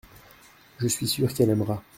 Je suis sûr qu’elle aimera.